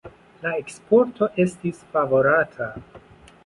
La eksporto estis favorata.